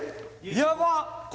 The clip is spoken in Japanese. やばっ！